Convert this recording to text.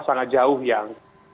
sangat jauh yang